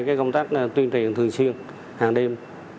hai cái công tác tuyên truyền thường xuyên hàng đêm